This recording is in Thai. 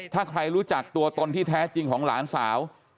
ถ้าใครรู้จักตัวตนที่แท้จริงของหลานสาว